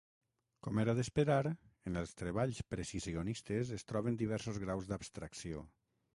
Com era d'esperar, en els treballs precisionistes es troben diversos graus d'abstracció.